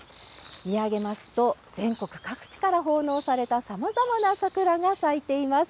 見上げますと、全国各地から奉納されたさまざまな桜が咲いています。